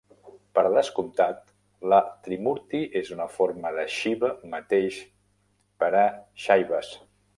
Per descomptat, la Trimurti és una forma de Shiva mateix per a Shaivas.